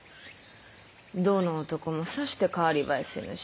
どの男もさして代わり映えせぬし。